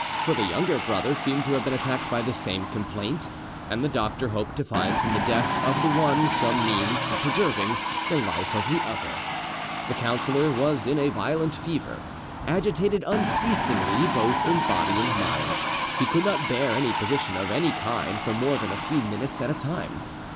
For the younger brother seemed to have been attacked by the same complaint, and the doctor hoped to find from the death of the one some means for preserving the life of the other. The councillor was in a violent fever, agitated unceasingly both in body and mind: he could not bear any position of any kind for more than a few minutes at a time.